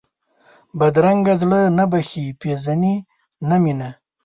بدرنګه زړه نه بښنه پېژني نه مینه